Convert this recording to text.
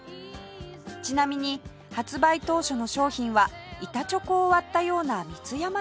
ちなみに発売当初の商品は板チョコを割ったような三つ山タイプ